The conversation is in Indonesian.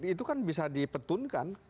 itu kan bisa dipetunkan